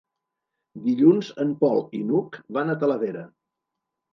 Dilluns en Pol i n'Hug van a Talavera.